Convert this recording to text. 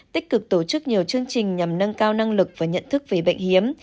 tích cực tổ chức nhiều chương trình nhằm nâng cao năng lực và nhận thức về bệnh hiếm